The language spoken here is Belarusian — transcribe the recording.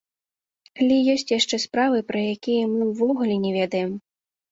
Але ёсць яшчэ справы, пра якія мы ўвогуле не ведаем.